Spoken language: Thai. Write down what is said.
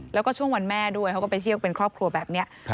แล้วก็ช่วงวันแม่ด้วยเขาก็ไปเที่ยวเป็นครอบครัวแบบนี้